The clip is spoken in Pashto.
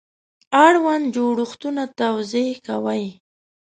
اړوند جوړښتونه توضیح کوي.